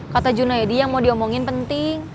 kata junaidi yang mau diomongin penting